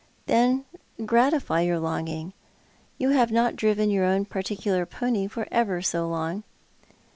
" Then gratify your longing. You have not driven your own particular pony for ever so long."